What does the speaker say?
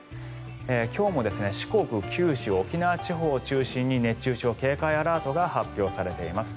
今日も四国、九州沖縄地方を中心に熱中症警戒アラートが発表されています。